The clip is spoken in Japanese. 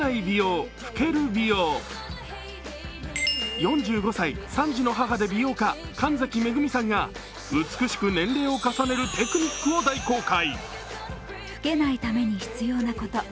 ４５歳、３児の母で美容家神崎恵さんが美しく年齢を重ねるテクニックを大公開。